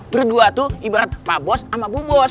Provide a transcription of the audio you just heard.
berdua tuh ibarat pak bos sama bu bos